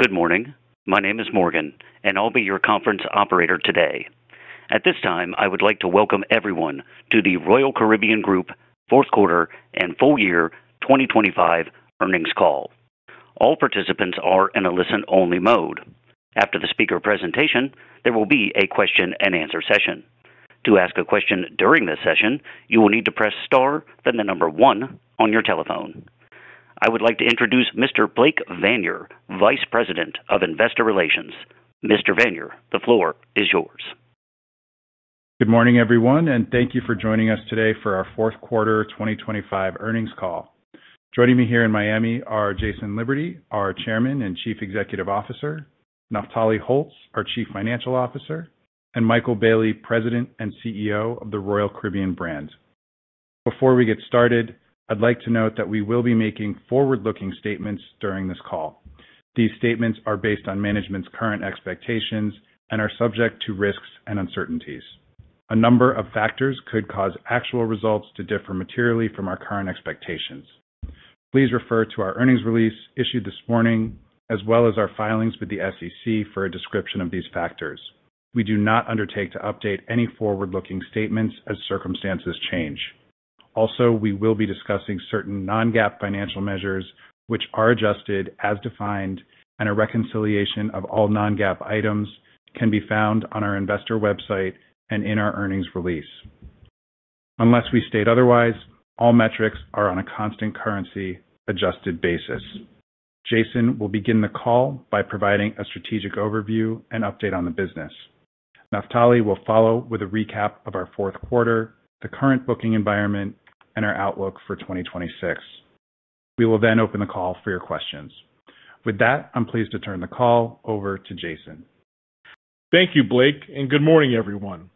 Good morning. My name is Morgan, and I'll be your conference operator today. At this time, I would like to welcome everyone to the Royal Caribbean Group fourth quarter and full year 2025 earnings call. All participants are in a listen-only mode. After the speaker presentation, there will be a question-and-answer session. To ask a question during this session, you will need to press star, then the number one on your telephone. I would like to introduce Mr. Blake Vanier, Vice President of Investor Relations. Mr. Vanier, the floor is yours. Good morning, everyone, and thank you for joining us today for our fourth quarter 2025 earnings call. Joining me here in Miami are Jason Liberty, our Chairman and Chief Executive Officer, Naftali Holtz, our Chief Financial Officer, and Michael Bayley, President and CEO of the Royal Caribbean brand. Before we get started, I'd like to note that we will be making forward-looking statements during this call. These statements are based on management's current expectations and are subject to risks and uncertainties. A number of factors could cause actual results to differ materially from our current expectations. Please refer to our earnings release issued this morning, as well as our filings with the SEC for a description of these factors. We do not undertake to update any forward-looking statements as circumstances change. Also, we will be discussing certain non-GAAP financial measures, which are adjusted as defined, and a reconciliation of all non-GAAP items can be found on our investor website and in our earnings release. Unless we state otherwise, all metrics are on a constant currency-adjusted basis. Jason will begin the call by providing a strategic overview and update on the business. Naftali will follow with a recap of our fourth quarter, the current booking environment, and our outlook for 2026. We will then open the call for your questions. With that, I'm pleased to turn the call over to Jason. Thank you, Blake, and good morning, everyone.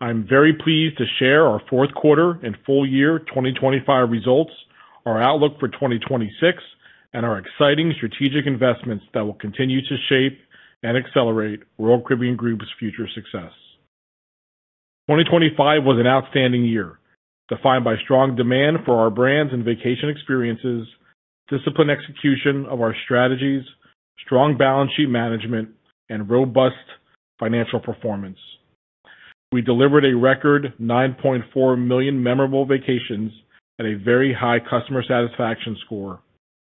I'm very pleased to share our fourth quarter and full year 2025 results, our outlook for 2026, and our exciting strategic investments that will continue to shape and accelerate Royal Caribbean Group's future success. 2025 was an outstanding year, defined by strong demand for our brands and vacation experiences, disciplined execution of our strategies, strong balance sheet management, and robust financial performance. We delivered a record 9.4 million memorable vacations at a very high customer satisfaction score,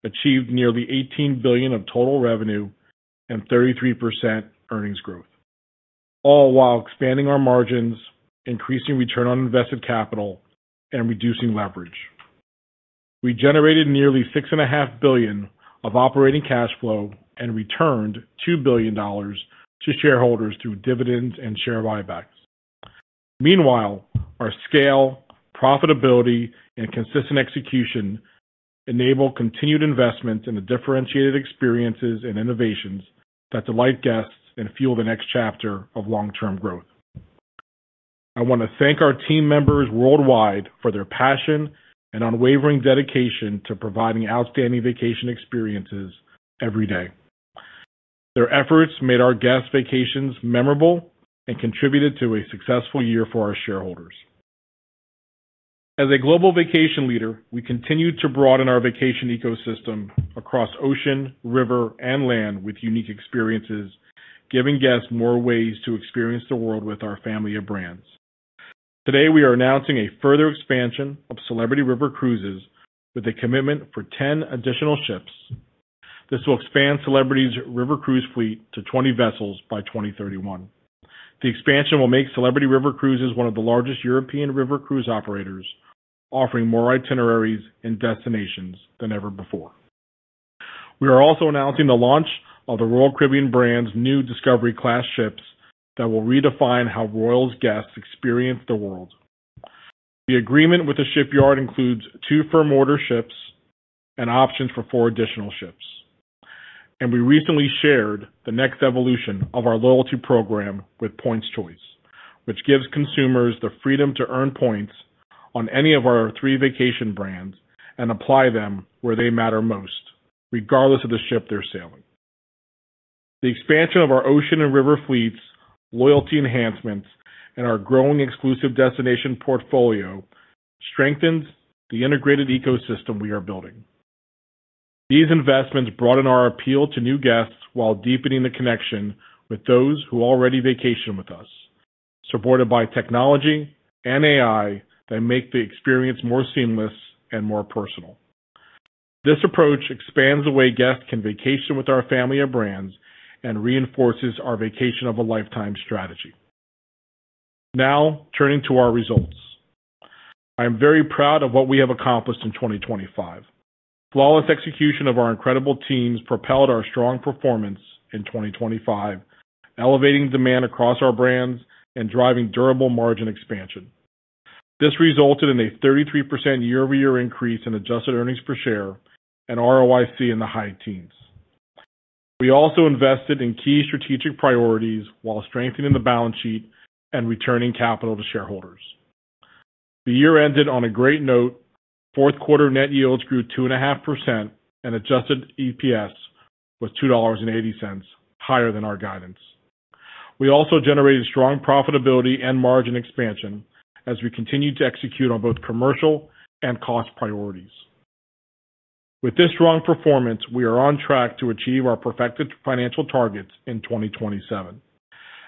achieved nearly $18 billion of total revenue, and 33% earnings growth, all while expanding our margins, increasing return on invested capital, and reducing leverage. We generated nearly $6.5 billion of operating cash flow and returned $2 billion to shareholders through dividends and share buybacks. Meanwhile, our scale, profitability, and consistent execution enable continued investments in the differentiated experiences and innovations that delight guests and fuel the next chapter of long-term growth. I want to thank our team members worldwide for their passion and unwavering dedication to providing outstanding vacation experiences every day. Their efforts made our guest vacations memorable and contributed to a successful year for our shareholders. As a global vacation leader, we continue to broaden our vacation ecosystem across ocean, river, and land with unique experiences, giving guests more ways to experience the world with our family of brands. Today, we are announcing a further expansion of Celebrity River Cruises with a commitment for 10 additional ships. This will expand Celebrity's river cruise fleet to 20 vessels by 2031. The expansion will make Celebrity River Cruises one of the largest European river cruise operators, offering more itineraries and destinations than ever before. We are also announcing the launch of the Royal Caribbean brand's new Discovery Class ships that will redefine how Royal's guests experience the world. The agreement with the shipyard includes two firm order ships and options for four additional ships. We recently shared the next evolution of our loyalty program with Points Choice, which gives consumers the freedom to earn points on any of our three vacation brands and apply them where they matter most, regardless of the ship they're sailing. The expansion of our ocean and river fleets, loyalty enhancements, and our growing exclusive destination portfolio strengthens the integrated ecosystem we are building. These investments broaden our appeal to new guests while deepening the connection with those who already vacation with us, supported by technology and AI that make the experience more seamless and more personal. This approach expands the way guests can vacation with our family of brands and reinforces our vacation of a lifetime strategy. Now, turning to our results, I am very proud of what we have accomplished in 2025. Flawless execution of our incredible teams propelled our strong performance in 2025, elevating demand across our brands and driving durable margin expansion. This resulted in a 33% year-over-year increase in adjusted earnings per share and ROIC in the high teens. We also invested in key strategic priorities while strengthening the balance sheet and returning capital to shareholders. The year ended on a great note. Fourth quarter net yields grew 2.5% and adjusted EPS was $2.80, higher than our guidance. We also generated strong profitability and margin expansion as we continued to execute on both commercial and cost priorities. With this strong performance, we are on track to achieve our Perfecta financial targets in 2027.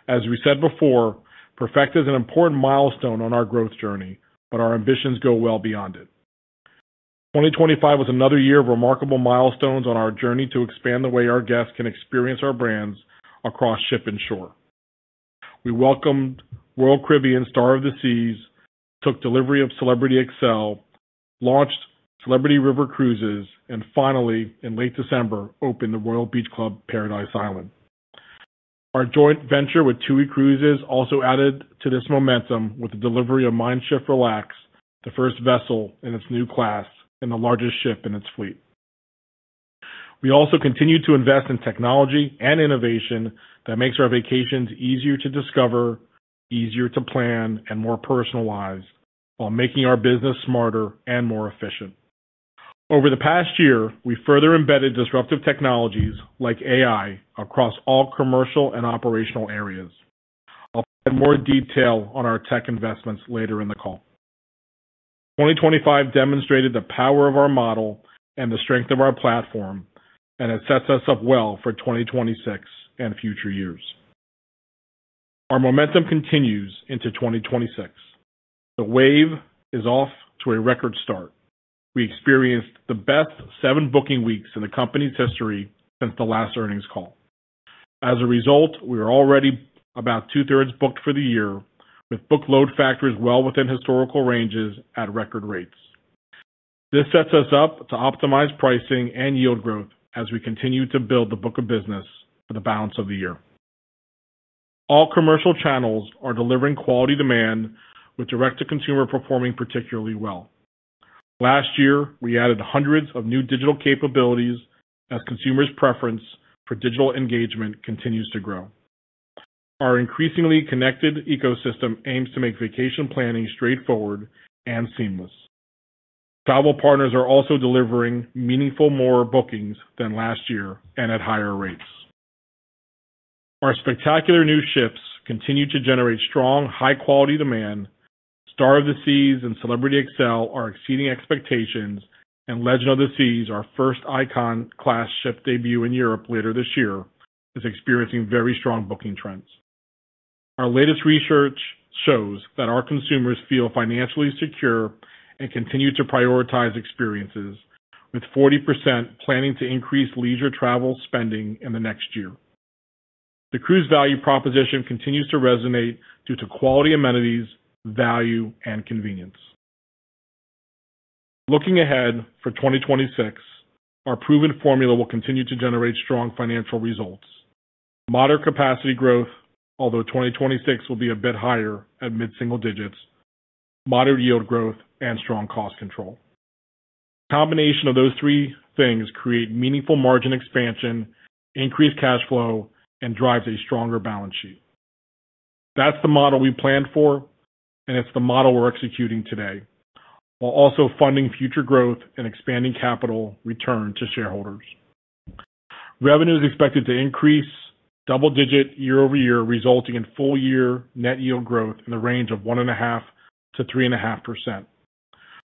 As we said before, Perfecta is an important milestone on our growth journey, but our ambitions go well beyond it. 2025 was another year of remarkable milestones on our journey to expand the way our guests can experience our brands across ship and shore. We welcomed Royal Caribbean Star of the Seas, took delivery of Celebrity Xcel, launched Celebrity River Cruises, and finally, in late December, opened the Royal Beach Club Paradise Island. Our joint venture with TUI Cruises also added to this momentum with the delivery of Mein Schiff Relax, the first vessel in its new class and the largest ship in its fleet. We also continue to invest in technology and innovation that makes our vacations easier to discover, easier to plan, and more personalized while making our business smarter and more efficient. Over the past year, we further embedded disruptive technologies like AI across all commercial and operational areas. I'll add more detail on our tech investments later in the call. 2025 demonstrated the power of our model and the strength of our platform, and it sets us up well for 2026 and future years. Our momentum continues into 2026. The wave is off to a record start. We experienced the best seven booking weeks in the company's history since the last earnings call. As a result, we are already about two-thirds booked for the year, with booked load factors well within historical ranges at record rates. This sets us up to optimize pricing and yield growth as we continue to build the book of business for the balance of the year. All commercial channels are delivering quality demand, with direct-to-consumer performing particularly well. Last year, we added hundreds of new digital capabilities as consumers' preference for digital engagement continues to grow. Our increasingly connected ecosystem aims to make vacation planning straightforward and seamless. Travel partners are also delivering meaningful more bookings than last year and at higher rates. Our spectacular new ships continue to generate strong, high-quality demand. Star of the Seas and Celebrity Xcel are exceeding expectations, and Legend of the Seas, our first Icon Class ship debut in Europe later this year, is experiencing very strong booking trends. Our latest research shows that our consumers feel financially secure and continue to prioritize experiences, with 40% planning to increase leisure travel spending in the next year. The cruise value proposition continues to resonate due to quality amenities, value, and convenience. Looking ahead for 2026, our proven formula will continue to generate strong financial results: moderate capacity growth, although 2026 will be a bit higher at mid-single digits, moderate yield growth, and strong cost control. The combination of those three things creates meaningful margin expansion, increases cash flow, and drives a stronger balance sheet. That's the model we planned for, and it's the model we're executing today, while also funding future growth and expanding capital return to shareholders. Revenue is expected to increase, double-digit year-over-year, resulting in full-year net yield growth in the range of 1.5%-3.5%.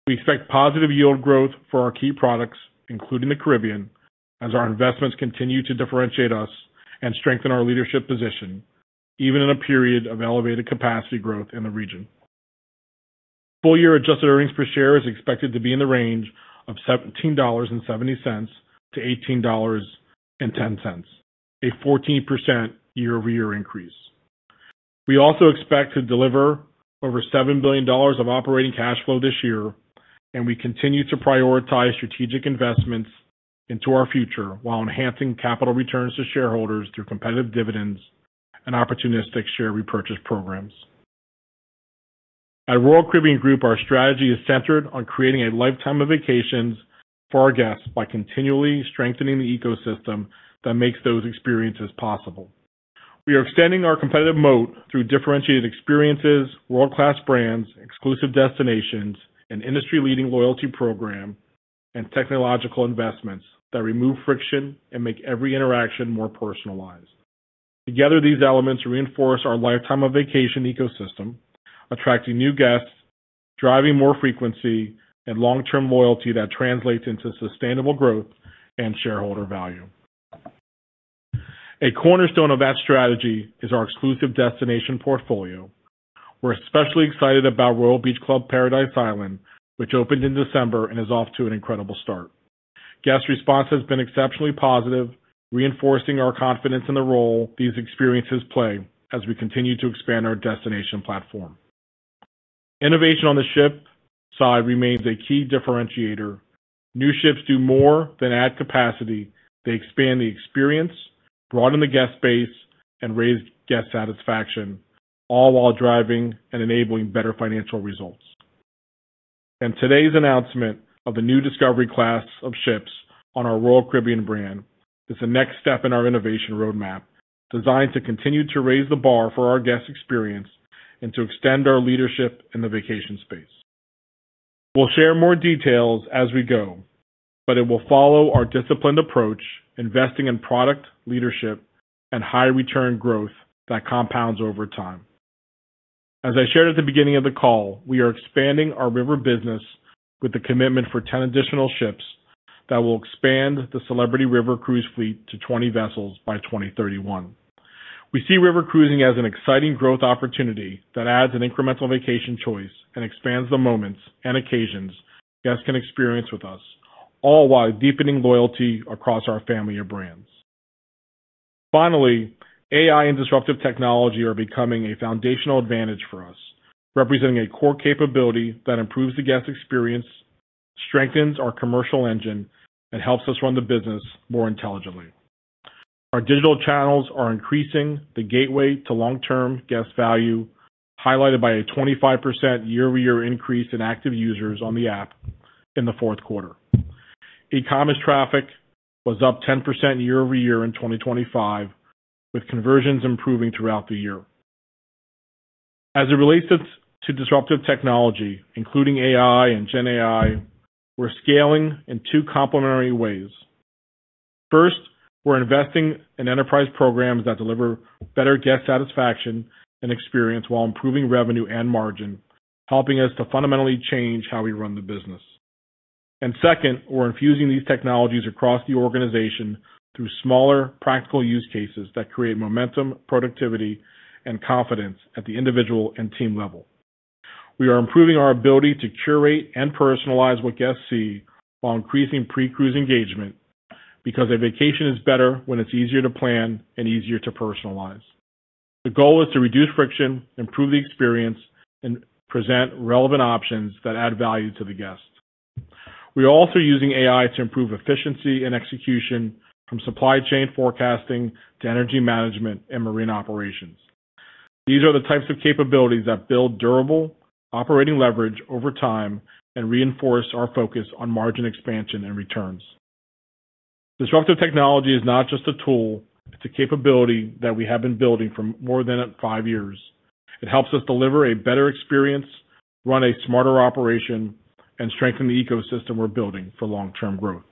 We expect positive yield growth for our key products, including the Caribbean, as our investments continue to differentiate us and strengthen our leadership position, even in a period of elevated capacity growth in the region. Full-year adjusted earnings per share is expected to be in the range of $17.70-$18.10, a 14% year-over-year increase. We also expect to deliver over $7 billion of operating cash flow this year, and we continue to prioritize strategic investments into our future while enhancing capital returns to shareholders through competitive dividends and opportunistic share repurchase programs. At Royal Caribbean Group, our strategy is centered on creating a lifetime of vacations for our guests by continually strengthening the ecosystem that makes those experiences possible. We are extending our competitive moat through differentiated experiences, world-class brands, exclusive destinations, an industry-leading loyalty program, and technological investments that remove friction and make every interaction more personalized. Together, these elements reinforce our lifetime of vacation ecosystem, attracting new guests, driving more frequency, and long-term loyalty that translates into sustainable growth and shareholder value. A cornerstone of that strategy is our exclusive destination portfolio. We're especially excited about Royal Beach Club Paradise Island, which opened in December and is off to an incredible start. Guest response has been exceptionally positive, reinforcing our confidence in the role these experiences play as we continue to expand our destination platform. Innovation on the ship side remains a key differentiator. New ships do more than add capacity; they expand the experience, broaden the guest base, and raise guest satisfaction, all while driving and enabling better financial results. And today's announcement of the new Discovery Class of ships on our Royal Caribbean brand is the next step in our innovation roadmap, designed to continue to raise the bar for our guest experience and to extend our leadership in the vacation space. We'll share more details as we go, but it will follow our disciplined approach, investing in product leadership and high-return growth that compounds over time. As I shared at the beginning of the call, we are expanding our river business with the commitment for 10 additional ships that will expand the Celebrity River Cruises fleet to 20 vessels by 2031. We see river cruising as an exciting growth opportunity that adds an incremental vacation choice and expands the moments and occasions guests can experience with us, all while deepening loyalty across our family of brands. Finally, AI and disruptive technology are becoming a foundational advantage for us, representing a core capability that improves the guest experience, strengthens our commercial engine, and helps us run the business more intelligently. Our digital channels are increasing the gateway to long-term guest value, highlighted by a 25% year-over-year increase in active users on the app in the fourth quarter. E-commerce traffic was up 10% year-over-year in 2025, with conversions improving throughout the year. As it relates to disruptive technology, including AI and GenAI, we're scaling in two complementary ways. First, we're investing in enterprise programs that deliver better guest satisfaction and experience while improving revenue and margin, helping us to fundamentally change how we run the business. Second, we're infusing these technologies across the organization through smaller practical use cases that create momentum, productivity, and confidence at the individual and team level. We are improving our ability to curate and personalize what guests see while increasing pre-cruise engagement because a vacation is better when it's easier to plan and easier to personalize. The goal is to reduce friction, improve the experience, and present relevant options that add value to the guests. We are also using AI to improve efficiency and execution, from supply chain forecasting to energy management and marine operations. These are the types of capabilities that build durable operating leverage over time and reinforce our focus on margin expansion and returns. Disruptive technology is not just a tool, it's a capability that we have been building for more than five years. It helps us deliver a better experience, run a smarter operation, and strengthen the ecosystem we're building for long-term growth.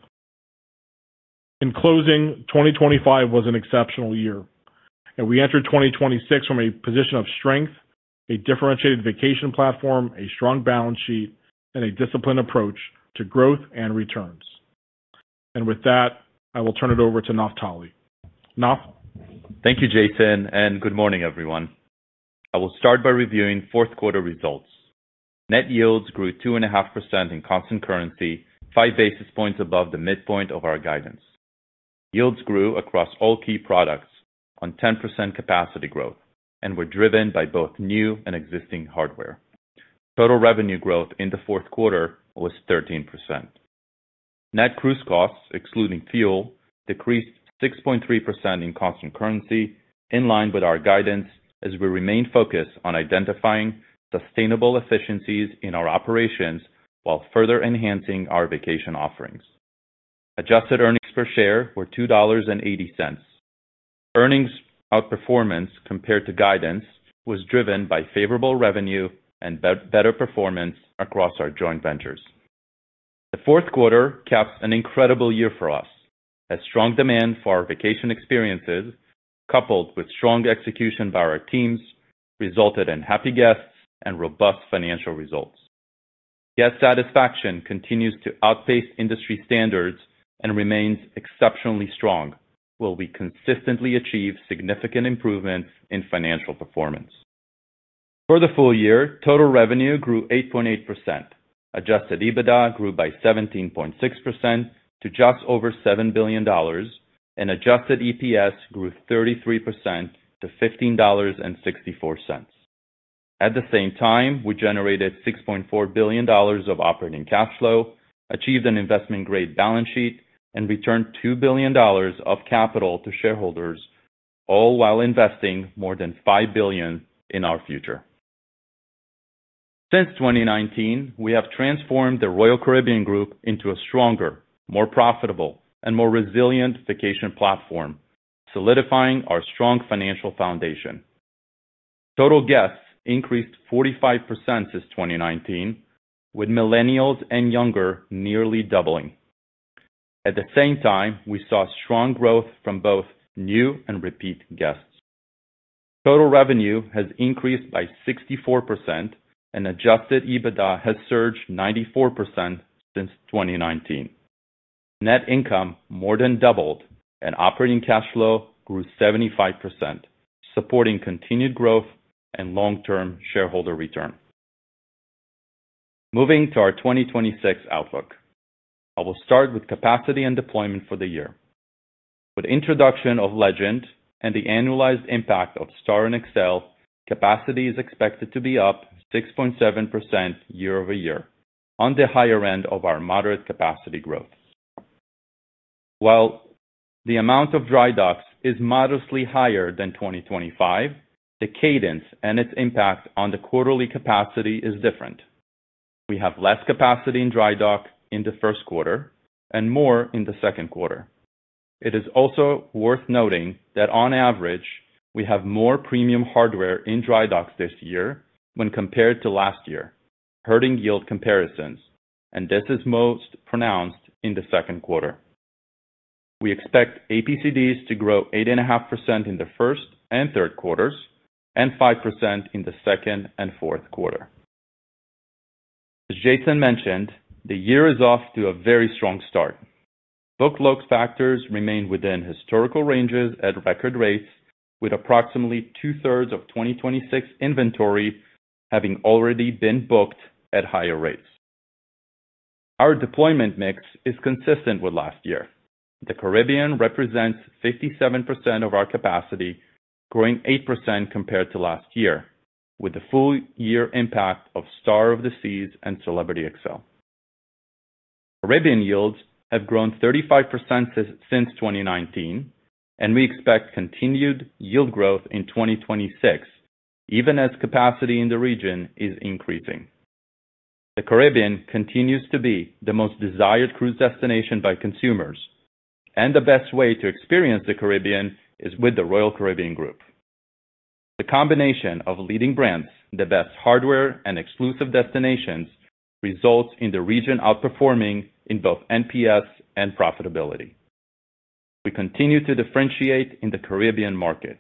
In closing, 2025 was an exceptional year, and we entered 2026 from a position of strength, a differentiated vacation platform, a strong balance sheet, and a disciplined approach to growth and returns. With that, I will turn it over to Naftali. Naf? Thank you, Jason, and good morning, everyone. I will start by reviewing fourth quarter results. Net yields grew 2.5% in constant currency, 5 basis points above the midpoint of our guidance. Yields grew across all key products on 10% capacity growth and were driven by both new and existing hardware. Total revenue growth in the fourth quarter was 13%. Net cruise costs, excluding fuel, decreased 6.3% in constant currency, in line with our guidance as we remain focused on identifying sustainable efficiencies in our operations while further enhancing our vacation offerings. Adjusted earnings per share were $2.80. Earnings outperformance compared to guidance was driven by favorable revenue and better performance across our joint ventures. The fourth quarter caps an incredible year for us, as strong demand for our vacation experiences, coupled with strong execution by our teams, resulted in happy guests and robust financial results. Guest satisfaction continues to outpace industry standards and remains exceptionally strong while we consistently achieve significant improvements in financial performance. For the full year, total revenue grew 8.8%. Adjusted EBITDA grew by 17.6% to just over $7 billion, and adjusted EPS grew 33% to $15.64. At the same time, we generated $6.4 billion of operating cash flow, achieved an investment-grade balance sheet, and returned $2 billion of capital to shareholders, all while investing more than $5 billion in our future. Since 2019, we have transformed the Royal Caribbean Group into a stronger, more profitable, and more resilient vacation platform, solidifying our strong financial foundation. Total guests increased 45% since 2019, with millennials and younger nearly doubling. At the same time, we saw strong growth from both new and repeat guests. Total revenue has increased by 64%, and adjusted EBITDA has surged 94% since 2019. Net income more than doubled, and operating cash flow grew 75%, supporting continued growth and long-term shareholder return. Moving to our 2026 outlook, I will start with capacity and deployment for the year. With the introduction of Legend and the annualized impact of Star and Xcel, capacity is expected to be up 6.7% year-over-year, on the higher end of our moderate capacity growth. While the amount of dry docks is modestly higher than 2025, the cadence and its impact on the quarterly capacity is different. We have less capacity in dry dock in the first quarter and more in the second quarter. It is also worth noting that, on average, we have more premium hardware in dry docks this year when compared to last year, hurting yield comparisons, and this is most pronounced in the second quarter. We expect APCDs to grow 8.5% in the first and third quarters and 5% in the second and fourth quarter. As Jason mentioned, the year is off to a very strong start. Booked load factors remain within historical ranges at record rates, with approximately two-thirds of 2026 inventory having already been booked at higher rates. Our deployment mix is consistent with last year. The Caribbean represents 57% of our capacity, growing 8% compared to last year, with the full-year impact of Star of the Seas and Celebrity Xcel. Caribbean yields have grown 35% since 2019, and we expect continued yield growth in 2026, even as capacity in the region is increasing. The Caribbean continues to be the most desired cruise destination by consumers, and the best way to experience the Caribbean is with the Royal Caribbean Group. The combination of leading brands, the best hardware, and exclusive destinations results in the region outperforming in both NPS and profitability. We continue to differentiate in the Caribbean market.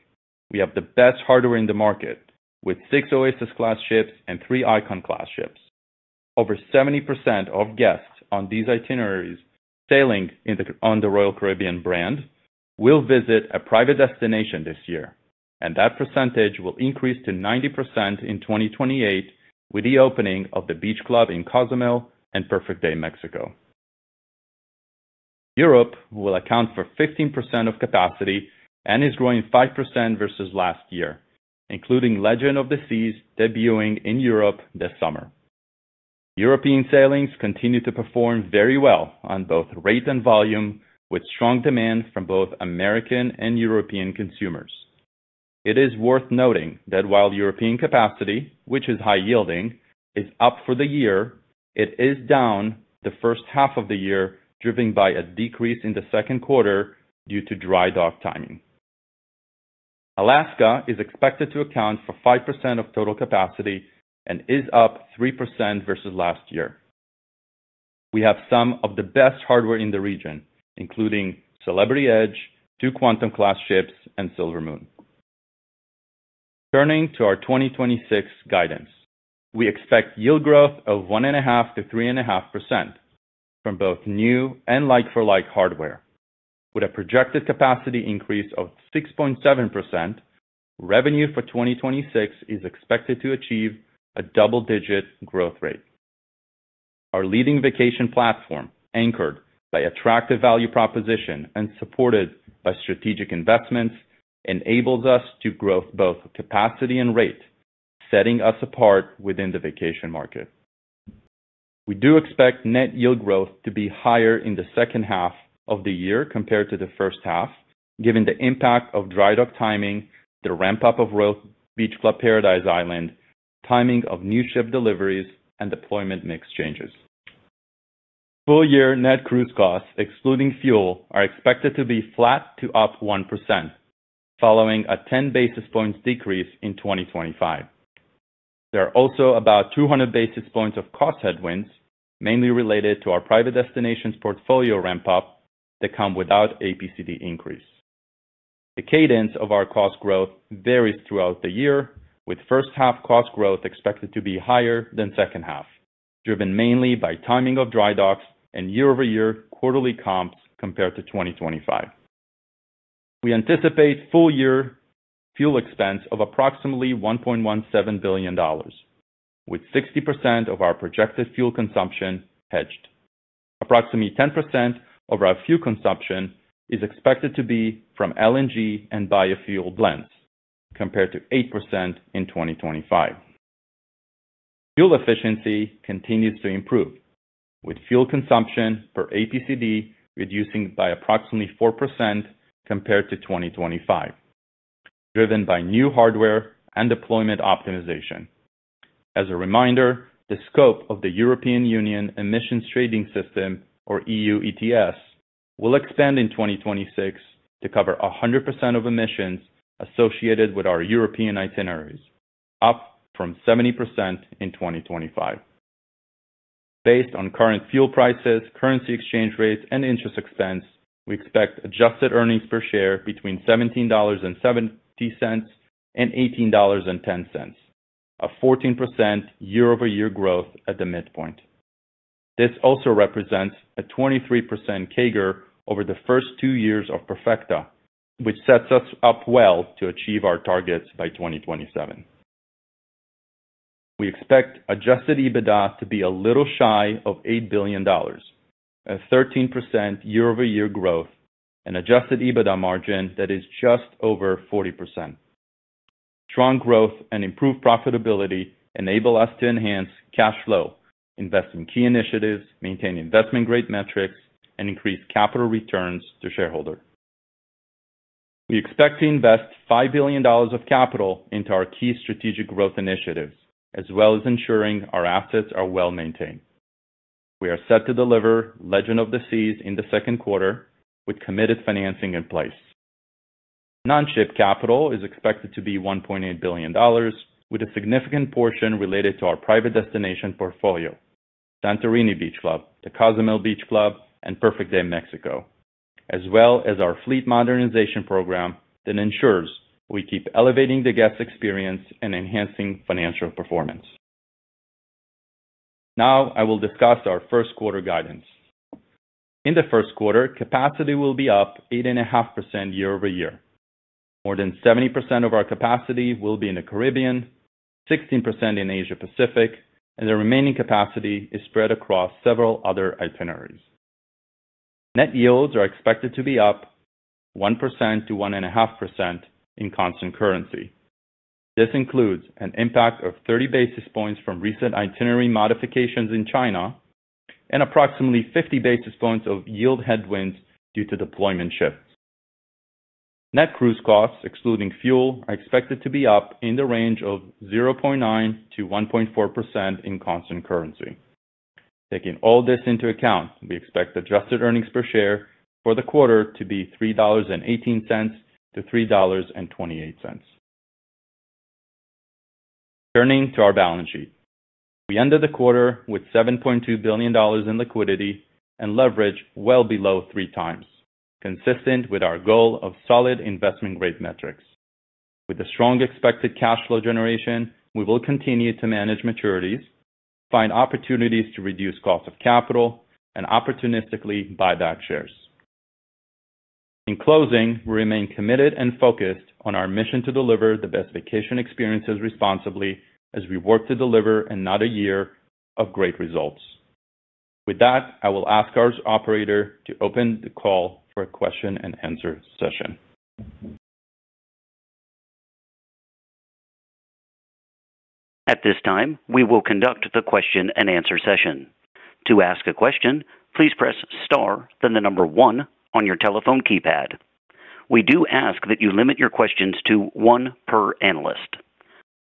We have the best hardware in the market, with six Oasis Class ships and three Icon Class ships. Over 70% of guests on these itineraries sailing on the Royal Caribbean brand will visit a private destination this year, and that percentage will increase to 90% in 2028 with the opening of the Beach Club in Cozumel and Perfect Day Mexico. Europe will account for 15% of capacity and is growing 5% versus last year, including Legend of the Seas debuting in Europe this summer. European sailings continue to perform very well on both rate and volume, with strong demand from both American and European consumers. It is worth noting that while European capacity, which is high-yielding, is up for the year, it is down the first half of the year, driven by a decrease in the second quarter due to dry dock timing. Alaska is expected to account for 5% of total capacity and is up 3% versus last year. We have some of the best hardware in the region, including Celebrity Edge, two Quantum Class ships, and Silver Moon. Turning to our 2026 guidance, we expect yield growth of 1.5%-3.5% from both new and like-for-like hardware. With a projected capacity increase of 6.7%, revenue for 2026 is expected to achieve a double-digit growth rate. Our leading vacation platform, anchored by attractive value proposition and supported by strategic investments, enables us to grow both capacity and rate, setting us apart within the vacation market. We do expect net yield growth to be higher in the second half of the year compared to the first half, given the impact of dry dock timing, the ramp-up of Royal Beach Club Paradise Island, timing of new ship deliveries, and deployment mix changes. Full-year net cruise costs, excluding fuel, are expected to be flat to up 1%, following a 10 basis points decrease in 2025. There are also about 200 basis points of cost headwinds, mainly related to our private destinations portfolio ramp-up, that come without APCD increase. The cadence of our cost growth varies throughout the year, with first-half cost growth expected to be higher than second-half, driven mainly by timing of dry docks and year-over-year quarterly comps compared to 2025. We anticipate full-year fuel expense of approximately $1.17 billion, with 60% of our projected fuel consumption hedged. Approximately 10% of our fuel consumption is expected to be from LNG and biofuel blends, compared to 8% in 2025. Fuel efficiency continues to improve, with fuel consumption per APCD reducing by approximately 4% compared to 2025, driven by new hardware and deployment optimization. As a reminder, the scope of the European Union Emissions Trading System, or EU ETS, will expand in 2026 to cover 100% of emissions associated with our European itineraries, up from 70% in 2025. Based on current fuel prices, currency exchange rates, and interest expense, we expect adjusted earnings per share between $17.70-$18.10, a 14% year-over-year growth at the midpoint. This also represents a 23% CAGR over the first two years of Perfecta, which sets us up well to achieve our targets by 2027. We expect adjusted EBITDA to be a little shy of $8 billion, a 13% year-over-year growth, and adjusted EBITDA margin that is just over 40%. Strong growth and improved profitability enable us to enhance cash flow, invest in key initiatives, maintain investment-grade metrics, and increase capital returns to shareholders. We expect to invest $5 billion of capital into our key strategic growth initiatives, as well as ensuring our assets are well maintained. We are set to deliver Legend of the Seas in the second quarter, with committed financing in place. Non-ship capital is expected to be $1.8 billion, with a significant portion related to our private destination portfolio, Santorini Beach Club, the Cozumel Beach Club, and Perfect Day Mexico, as well as our fleet modernization program that ensures we keep elevating the guest experience and enhancing financial performance. Now, I will discuss our first quarter guidance. In the first quarter, capacity will be up 8.5% year-over-year. More than 70% of our capacity will be in the Caribbean, 16% in Asia-Pacific, and the remaining capacity is spread across several other itineraries. Net yields are expected to be up 1%-1.5% in constant currency. This includes an impact of 30 basis points from recent itinerary modifications in China and approximately 50 basis points of yield headwinds due to deployment shifts. Net cruise costs, excluding fuel, are expected to be up in the range of 0.9%-1.4% in constant currency. Taking all this into account, we expect adjusted earnings per share for the quarter to be $3.18-$3.28. Turning to our balance sheet, we ended the quarter with $7.2 billion in liquidity and leverage well below 3x, consistent with our goal of solid investment-grade metrics. With a strong expected cash flow generation, we will continue to manage maturities, find opportunities to reduce cost of capital, and opportunistically buy back shares. In closing, we remain committed and focused on our mission to deliver the best vacation experiences responsibly as we work to deliver another year of great results. With that, I will ask our operator to open the call for a question-and-answer session. At this time, we will conduct the question-and-answer session. To ask a question, please press star, then the number one on your telephone keypad. We do ask that you limit your questions to one per analyst.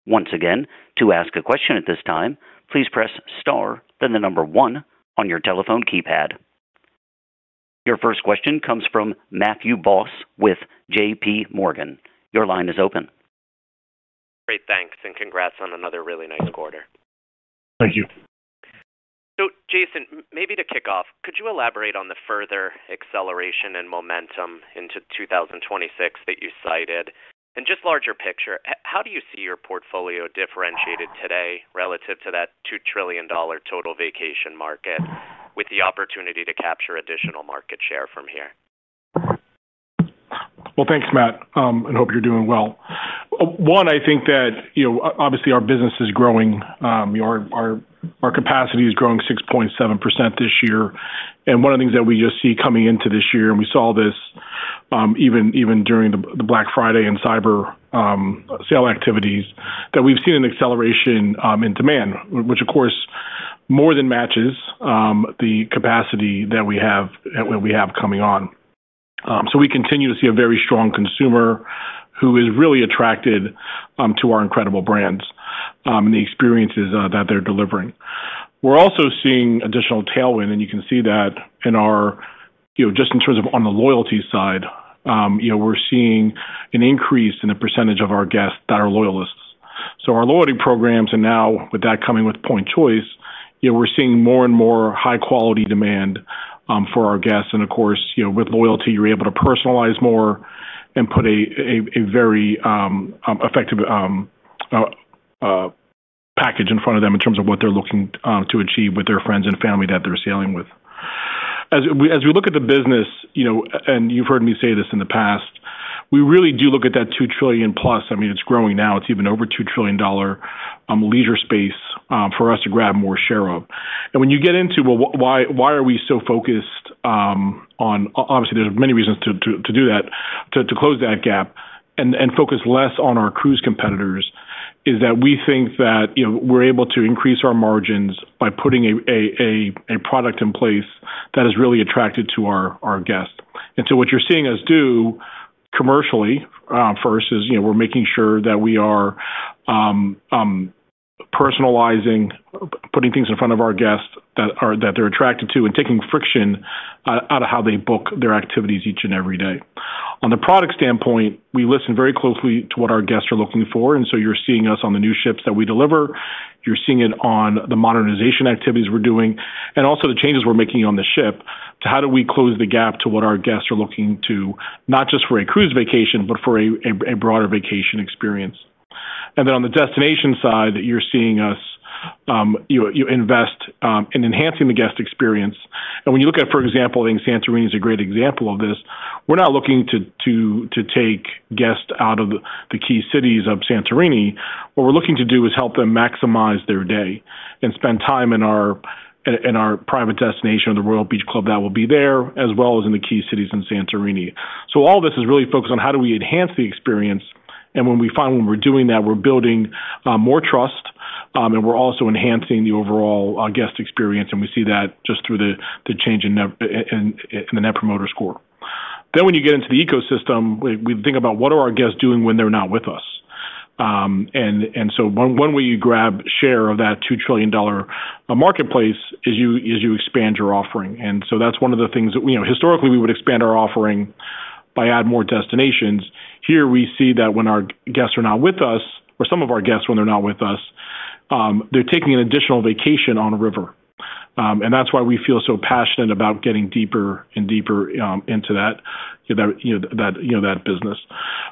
Once again, to ask a question at this time, please press star, then the number one on your telephone keypad. Your first question comes from Matthew Boss with JPMorgan. Your line is open. Great. Thanks, and congrats on another really nice quarter. Thank you. So, Jason, maybe to kick off, could you elaborate on the further acceleration and momentum into 2026 that you cited? And just larger picture, how do you see your portfolio differentiated today relative to that $2 trillion total vacation market with the opportunity to capture additional market share from here? Well, thanks, Matt. I hope you're doing well. One, I think that, obviously, our business is growing. Our capacity is growing 6.7% this year. And one of the things that we just see coming into this year, and we saw this even during the Black Friday and Cyber Sale activities, that we've seen an acceleration in demand, which, of course, more than matches the capacity that we have coming on. So we continue to see a very strong consumer who is really attracted to our incredible brands and the experiences that they're delivering. We're also seeing additional tailwind, and you can see that in our just in terms of on the loyalty side, we're seeing an increase in the percentage of our guests that are loyalists. So our loyalty programs are now, with that coming with Points Choice, we're seeing more and more high-quality demand for our guests. Of course, with loyalty, you're able to personalize more and put a very effective package in front of them in terms of what they're looking to achieve with their friends and family that they're sailing with. As we look at the business, and you've heard me say this in the past, we really do look at that $2 trillion plus. I mean, it's growing now. It's even over $2 trillion leisure space for us to grab more share of. And when you get into, well, why are we so focused on, obviously, there's many reasons to do that, to close that gap and focus less on our cruise competitors, is that we think that we're able to increase our margins by putting a product in place that is really attractive to our guests. What you're seeing us do commercially first is we're making sure that we are personalizing, putting things in front of our guests that they're attracted to and taking friction out of how they book their activities each and every day. On the product standpoint, we listen very closely to what our guests are looking for. You're seeing us on the new ships that we deliver. You're seeing it on the modernization activities we're doing and also the changes we're making on the ship to how do we close the gap to what our guests are looking to, not just for a cruise vacation, but for a broader vacation experience. On the destination side, you're seeing us invest in enhancing the guest experience. When you look at, for example, I think Santorini is a great example of this. We're not looking to take guests out of the key cities of Santorini. What we're looking to do is help them maximize their day and spend time in our private destination, the Royal Beach Club that will be there, as well as in the key cities in Santorini. So all this is really focused on how do we enhance the experience. And when we find when we're doing that, we're building more trust, and we're also enhancing the overall guest experience. And we see that just through the change in the Net Promoter Score. Then when you get into the ecosystem, we think about what are our guests doing when they're not with us. And so one way you grab share of that $2 trillion marketplace is you expand your offering. And so that's one of the things that historically we would expand our offering by adding more destinations. Here, we see that when our guests are not with us, or some of our guests, when they're not with us, they're taking an additional vacation on a river. That's why we feel so passionate about getting deeper and deeper into that business.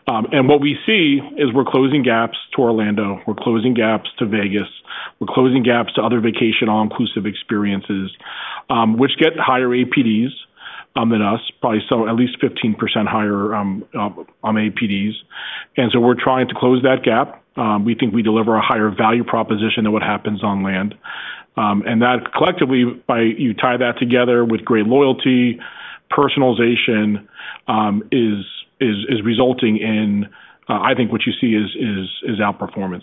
What we see is we're closing gaps to Orlando. We're closing gaps to Las Vegas. We're closing gaps to other vacation all-inclusive experiences, which get higher APDs than us, probably at least 15% higher on APDs. We're trying to close that gap. We think we deliver a higher value proposition than what happens on land. Collectively, you tie that together with great loyalty, personalization is resulting in, I think, what you see is outperformance.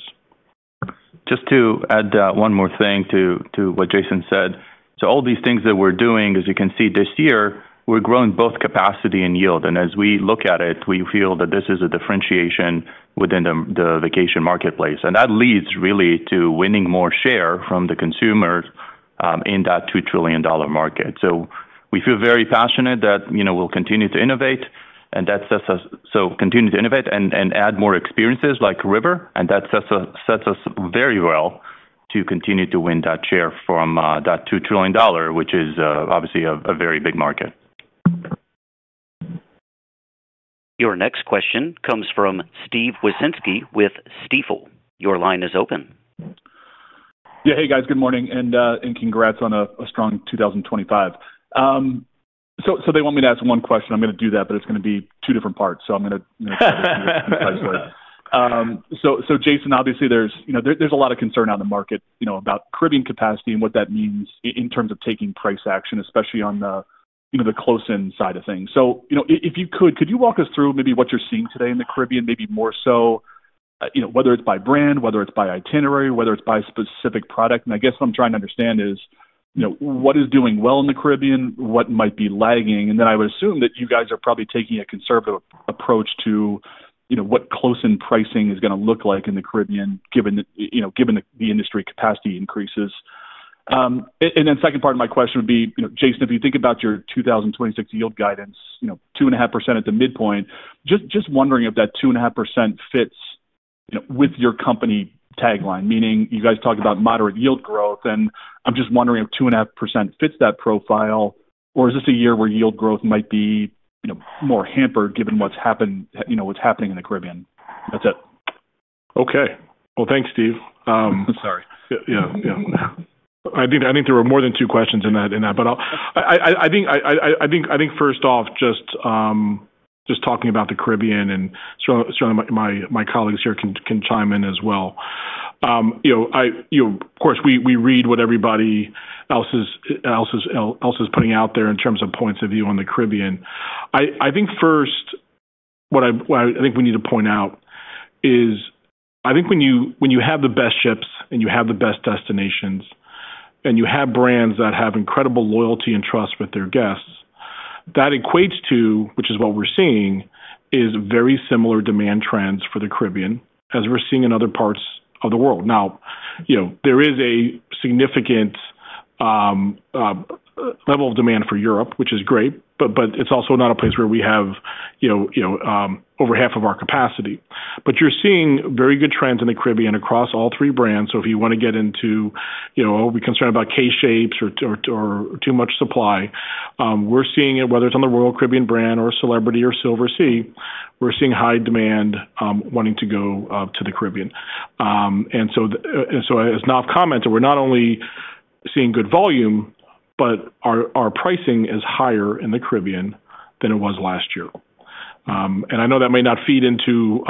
Just to add one more thing to what Jason said. So all these things that we're doing, as you can see this year, we're growing both capacity and yield. And as we look at it, we feel that this is a differentiation within the vacation marketplace. And that leads really to winning more share from the consumer in that $2 trillion market. So we feel very passionate that we'll continue to innovate. And that sets us so continue to innovate and add more experiences like River. And that sets us very well to continue to win that share from that $2 trillion, which is obviously a very big market. Your next question comes from Steve Wieczynski with Stifel. Your line is open. Yeah. Hey, guys. Good morning and congrats on a strong 2025. So they want me to ask one question. I'm going to do that, but it's going to be two different parts. I'm going to try to be precise. Jason, obviously, there's a lot of concern on the market about Caribbean capacity and what that means in terms of taking price action, especially on the close-in side of things. If you could, could you walk us through maybe what you're seeing today in the Caribbean, maybe more so, whether it's by brand, whether it's by itinerary, whether it's by specific product? I guess what I'm trying to understand is what is doing well in the Caribbean, what might be lagging. I would assume that you guys are probably taking a conservative approach to what close-in pricing is going to look like in the Caribbean, given the industry capacity increases. And then second part of my question would be, Jason, if you think about your 2026 yield guidance, 2.5% at the midpoint, just wondering if that 2.5% fits with your company tagline, meaning you guys talk about moderate yield growth. And I'm just wondering if 2.5% fits that profile, or is this a year where yield growth might be more hampered given what's happening in the Caribbean? That's it. Okay. Well, thanks, Steve. I'm sorry. Yeah. Yeah. I think there were more than two questions in that. But I think, first off, just talking about the Caribbean, and certainly my colleagues here can chime in as well. Of course, we read what everybody else is putting out there in terms of points of view on the Caribbean. I think first, what I think we need to point out is, I think when you have the best ships and you have the best destinations and you have brands that have incredible loyalty and trust with their guests, that equates to, which is what we're seeing, is very similar demand trends for the Caribbean as we're seeing in other parts of the world. Now, there is a significant level of demand for Europe, which is great, but it's also not a place where we have over half of our capacity. But you're seeing very good trends in the Caribbean across all three brands. So if you want to get into, oh, we're concerned about K-shapes or too much supply, we're seeing it, whether it's on the Royal Caribbean brand or Celebrity or Silversea, we're seeing high demand wanting to go to the Caribbean. And so as Naf commented, we're not only seeing good volume, but our pricing is higher in the Caribbean than it was last year. And I know that may not feed into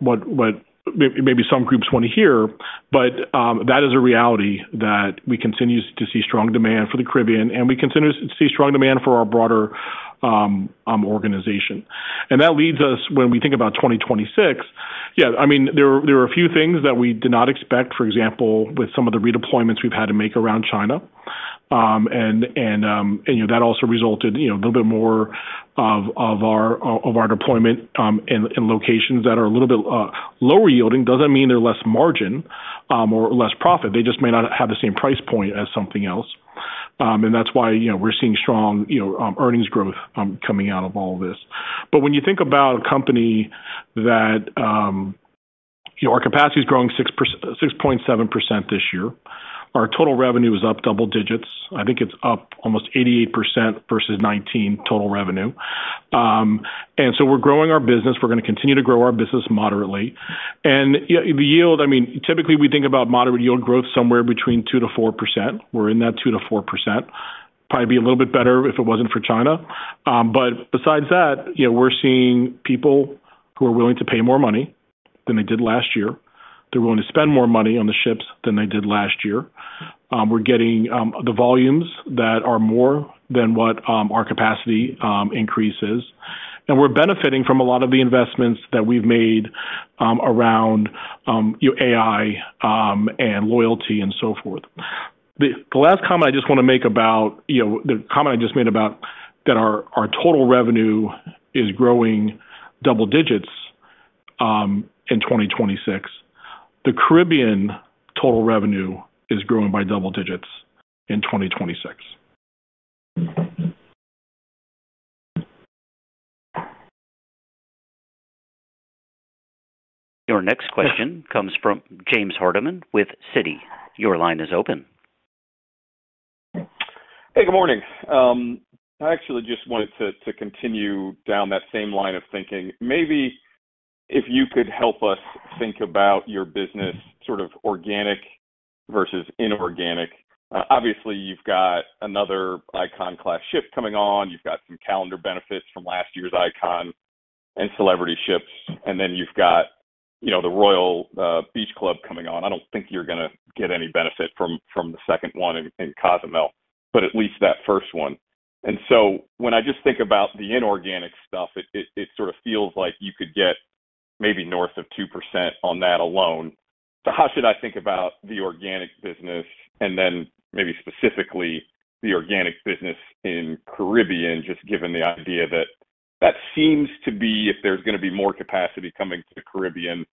what maybe some groups want to hear, but that is a reality that we continue to see strong demand for the Caribbean, and we continue to see strong demand for our broader organization. And that leads us, when we think about 2026, yeah, I mean, there were a few things that we did not expect, for example, with some of the redeployments we've had to make around China. And that also resulted in a little bit more of our deployment in locations that are a little bit lower yielding. Doesn't mean they're less margin or less profit. They just may not have the same price point as something else. That's why we're seeing strong earnings growth coming out of all of this. But when you think about a company that our capacity is growing 6.7% this year, our total revenue is up double digits. I think it's up almost 88% versus 2019 total revenue. We're growing our business. We're going to continue to grow our business moderately. And the yield, I mean, typically we think about moderate yield growth somewhere between 2%-4%. We're in that 2%-4%. Probably be a little bit better if it wasn't for China. But besides that, we're seeing people who are willing to pay more money than they did last year. They're willing to spend more money on the ships than they did last year. We're getting the volumes that are more than what our capacity increase is. And we're benefiting from a lot of the investments that we've made around AI and loyalty and so forth. The last comment I just want to make about the comment I just made about that our total revenue is growing double digits in 2026. The Caribbean total revenue is growing by double digits in 2026. Your next question comes from James Hardiman with Citi. Your line is open. Hey, good morning. I actually just wanted to continue down that same line of thinking. Maybe if you could help us think about your business sort of organic versus inorganic. Obviously, you've got another Icon Class ship coming on. You've got some calendar benefits from last year's Icon and Celebrity ships. And then you've got the Royal Beach Club coming on. I don't think you're going to get any benefit from the second one in Cozumel, but at least that first one. And so when I just think about the inorganic stuff, it sort of feels like you could get maybe north of 2% on that alone. So how should I think about the organic business and then maybe specifically the organic business in Caribbean, just given the idea that that seems to be, if there's going to be more capacity coming to the Caribbean,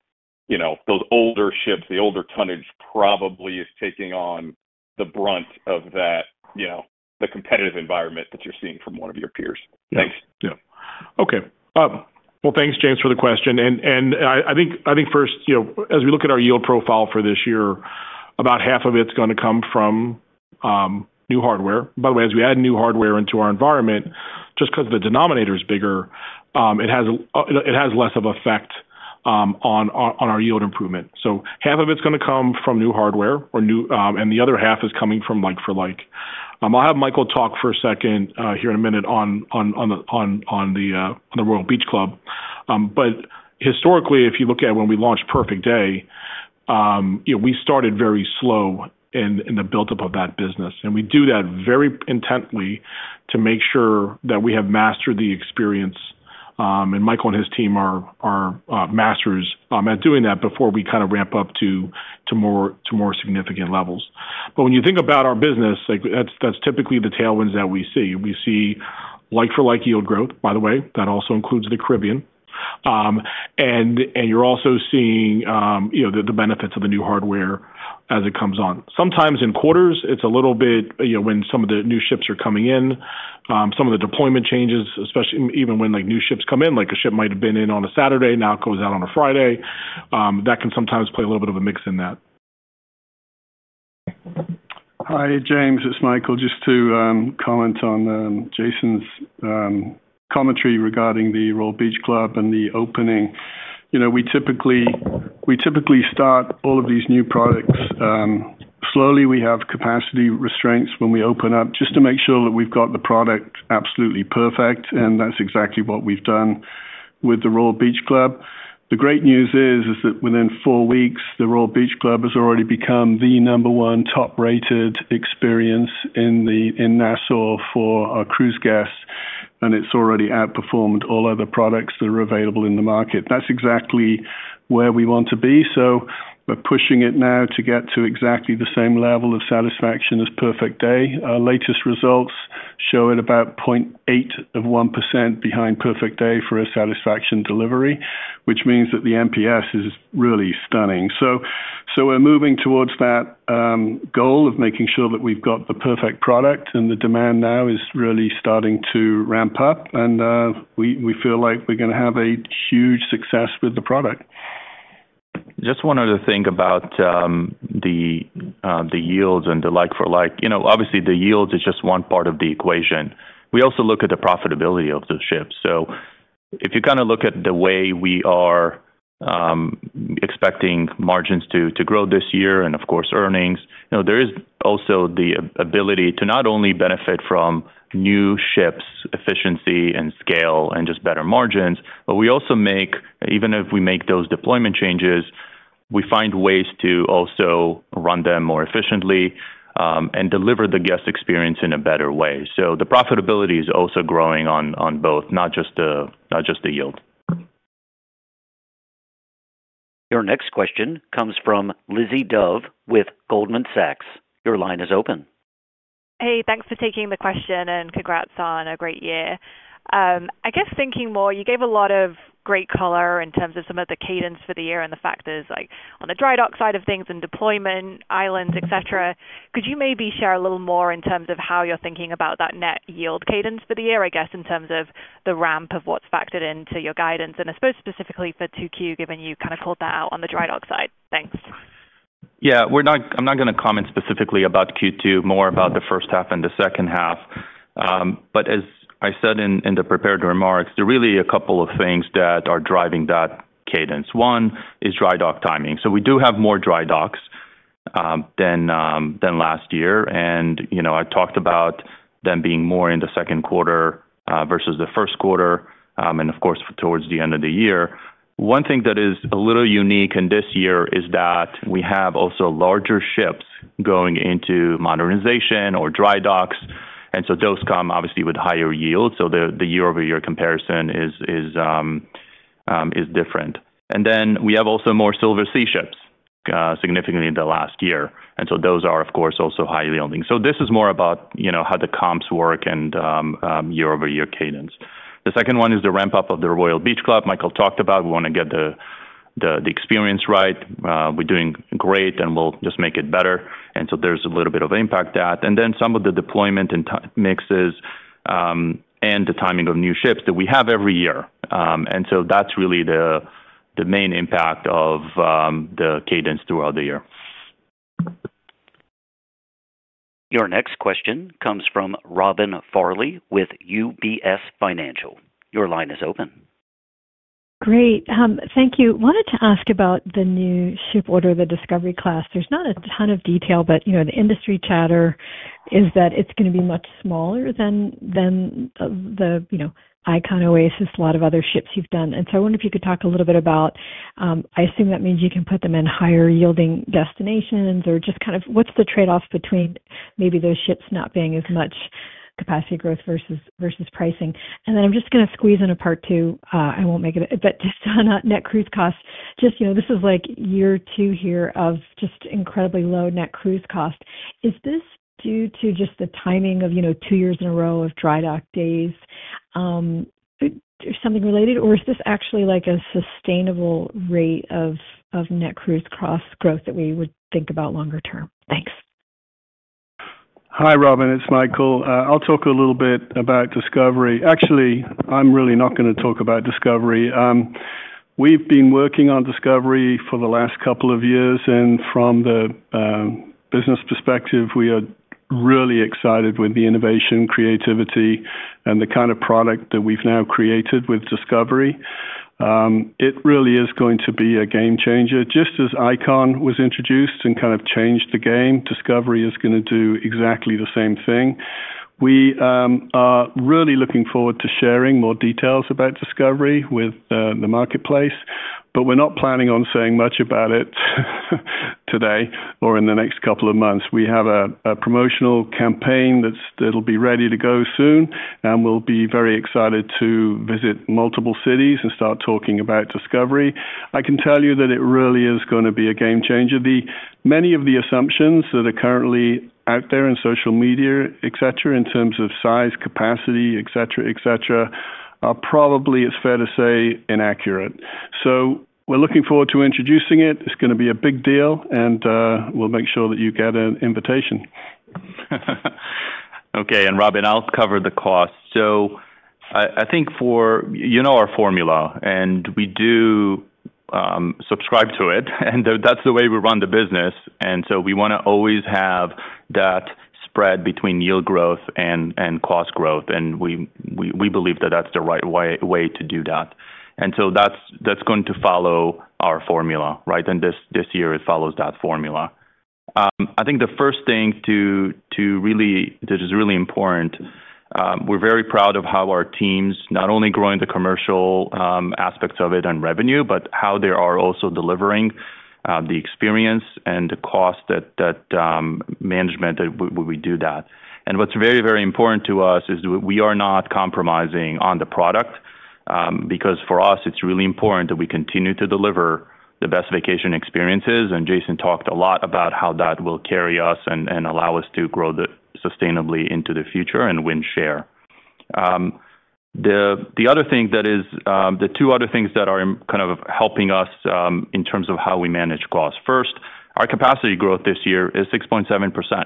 those older ships, the older tonnage probably is taking on the brunt of that, the competitive environment that you're seeing from one of your peers. Thanks. Yeah. Okay. Well, thanks, James, for the question. And I think first, as we look at our yield profile for this year, about half of it's going to come from new hardware. By the way, as we add new hardware into our environment, just because the denominator is bigger, it has less of an effect on our yield improvement. So half of it's going to come from new hardware, and the other half is coming from like-for-like. I'll have Michael talk for a second here in a minute on the Royal Beach Club. But historically, if you look at when we launched Perfect Day, we started very slow in the buildup of that business. And we do that very intently to make sure that we have mastered the experience. And Michael and his team are masters at doing that before we kind of ramp up to more significant levels. But when you think about our business, that's typically the tailwinds that we see. We see like-for-like yield growth, by the way. That also includes the Caribbean. And you're also seeing the benefits of the new hardware as it comes on. Sometimes in quarters, it's a little bit when some of the new ships are coming in, some of the deployment changes, especially even when new ships come in, like a ship might have been in on a Saturday, now it goes out on a Friday. That can sometimes play a little bit of a mix in that. Hi, James. It's Michael just to comment on Jason's commentary regarding the Royal Beach Club and the opening. We typically start all of these new products slowly. We have capacity restraints when we open up just to make sure that we've got the product absolutely perfect. And that's exactly what we've done with the Royal Beach Club. The great news is that within four weeks, the Royal Beach Club has already become the number one top-rated experience in Nassau for our cruise guests. It's already outperformed all other products that are available in the market. That's exactly where we want to be. So we're pushing it now to get to exactly the same level of satisfaction as Perfect Day. Our latest results show it about 0.8 of 1% behind Perfect Day for a satisfaction delivery, which means that the NPS is really stunning. So we're moving towards that goal of making sure that we've got the perfect product. And the demand now is really starting to ramp up. And we feel like we're going to have a huge success with the product. Just wanted to think about the yields and the like-for-like. Obviously, the yields are just one part of the equation. We also look at the profitability of the ship. So if you kind of look at the way we are expecting margins to grow this year and, of course, earnings, there is also the ability to not only benefit from new ships, efficiency and scale, and just better margins, but we also make, even if we make those deployment changes, we find ways to also run them more efficiently and deliver the guest experience in a better way. So the profitability is also growing on both, not just the yield. Your next question comes from Lizzie Dove with Goldman Sachs. Your line is open. Hey, thanks for taking the question and congrats on a great year. I guess, thinking more, you gave a lot of great color in terms of some of the cadence for the year and the factors on the dry dock side of things and deployment, islands, etc. Could you maybe share a little more in terms of how you're thinking about that net yield cadence for the year, I guess, in terms of the ramp of what's factored into your guidance? And I suppose specifically for Q2, given you kind of called that out on the dry dock side. Thanks. Yeah. I'm not going to comment specifically about Q2, more about the first half and the second half. But as I said in the prepared remarks, there are really a couple of things that are driving that cadence. One is dry dock timing. So we do have more dry docks than last year. And I talked about them being more in the second quarter versus the first quarter and, of course, towards the end of the year. One thing that is a little unique in this year is that we have also larger ships going into modernization or dry docks. And so those come obviously with higher yields. So the year-over-year comparison is different. And then we have also more Silversea ships significantly in the last year. And so those are, of course, also high yielding. So this is more about how the comps work and year-over-year cadence. The second one is the ramp-up of the Royal Beach Club. Michael talked about, "We want to get the experience right. We're doing great, and we'll just make it better." And so there's a little bit of impact that. And then some of the deployment and mixes and the timing of new ships that we have every year. And so that's really the main impact of the cadence throughout the year. Your next question comes from Robin Farley with UBS Financial. Your line is open. Great. Thank you. Wanted to ask about the new ship order, the Discovery Class. There's not a ton of detail, but the industry chatter is that it's going to be much smaller than the Icon Oasis, a lot of other ships you've done. And so I wonder if you could talk a little bit about, I assume that means you can put them in higher-yielding destinations or just kind of what's the trade-off between maybe those ships not being as much capacity growth versus pricing. And then I'm just going to squeeze in a part two. I won't make it, but just on net cruise costs. Just this is like year two here of just incredibly low net cruise cost. Is this due to just the timing of two years in a row of dry dock days or something related, or is this actually like a sustainable rate of Net Cruise Costs growth that we would think about longer term? Thanks. Hi, Robin. It's Michael. I'll talk a little bit about Discovery. Actually, I'm really not going to talk about Discovery. We've been working on Discovery for the last couple of years. And from the business perspective, we are really excited with the innovation, creativity, and the kind of product that we've now created with Discovery. It really is going to be a game changer. Just as Icon was introduced and kind of changed the game, Discovery is going to do exactly the same thing. We are really looking forward to sharing more details about Discovery with the marketplace, but we're not planning on saying much about it today or in the next couple of months. We have a promotional campaign that'll be ready to go soon, and we'll be very excited to visit multiple cities and start talking about Discovery. I can tell you that it really is going to be a game changer. Many of the assumptions that are currently out there in social media, etc., in terms of size, capacity, etc., etc., are probably, it's fair to say, inaccurate. So we're looking forward to introducing it. It's going to be a big deal, and we'll make sure that you get an invitation. Okay. And Robin, I'll cover the cost. So I think you know our formula, and we do subscribe to it. And that's the way we run the business. And so we want to always have that spread between yield growth and cost growth. And we believe that that's the right way to do that. And so that's going to follow our formula, right? And this year, it follows that formula. I think the first thing that is really important, we're very proud of how our teams not only growing the commercial aspects of it and revenue, but how they are also delivering the experience and the cost management that we do that. And what's very, very important to us is we are not compromising on the product because for us, it's really important that we continue to deliver the best vacation experiences. And Jason talked a lot about how that will carry us and allow us to grow sustainably into the future and win share. The other thing, that is, the two other things that are kind of helping us in terms of how we manage costs. First, our capacity growth this year is 6.7%.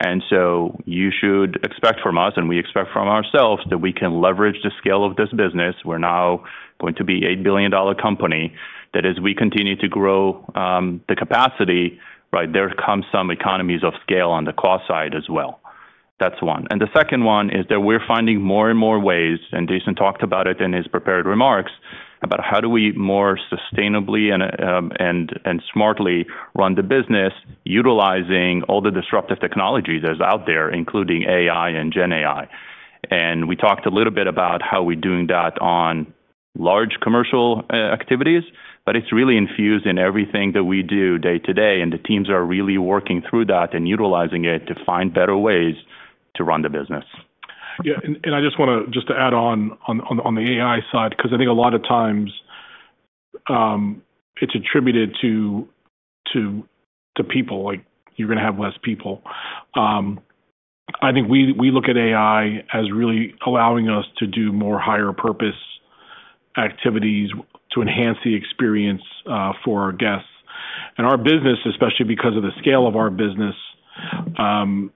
And so you should expect from us, and we expect from ourselves that we can leverage the scale of this business. We're now going to be an $8 billion company. That, as we continue to grow the capacity, right, there come some economies of scale on the cost side as well. That's one. And the second one is that we're finding more and more ways, and Jason talked about it in his prepared remarks about how do we more sustainably and smartly run the business utilizing all the disruptive technologies that are out there, including AI and GenAI. We talked a little bit about how we're doing that on large commercial activities, but it's really infused in everything that we do day to day. The teams are really working through that and utilizing it to find better ways to run the business. Yeah. I just want to just add on the AI side because I think a lot of times it's attributed to people, like you're going to have less people. I think we look at AI as really allowing us to do more higher-purpose activities to enhance the experience for our guests. Our business, especially because of the scale of our business, when